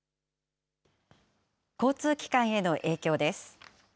交通機関への影響です。